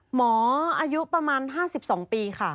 หมออายุประมาณ๕๒ปีค่ะ